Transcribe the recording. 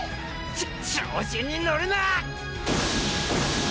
ちょ調子に乗るな！